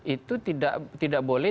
itu tidak boleh